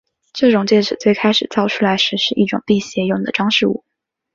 这种戒指最开始造出来时是一种辟邪用的装饰物。